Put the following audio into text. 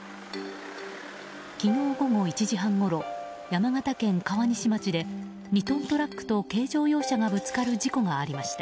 昨日午後１時半ごろ山形県川西町で２トントラックと軽乗用車がぶつかる事故がありました。